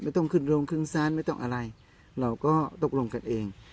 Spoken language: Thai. ต้องขึ้นโรงขึ้นศาลไม่ต้องอะไรเราก็ตกลงกันเอง